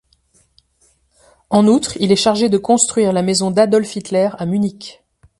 En outre, il est chargé de construire la maison d'Adolf Hitler, à Munich.